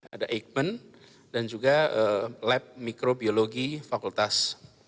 ada eijkman dan juga lab mikrobiologi fakultas